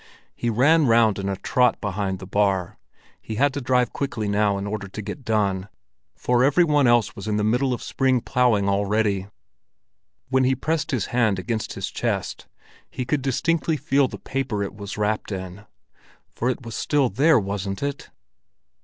He ran round in a trot behind the bar; he had to drive quickly now in order to get done, for every one else was in the middle of spring ploughing already. When he pressed his hand against his chest, he could distinctly feel the paper it was wrapped in. For it was still there, wasn't it?